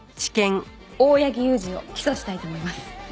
大八木勇二を起訴したいと思います。